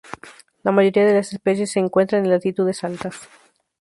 La mayoría de las especies se encuentran en latitudes altas.